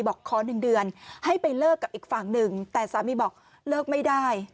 บอกขอ๑เดือนให้ไปเลิกกับอีกฝั่งหนึ่งแต่สามีบอกเลิกไม่ได้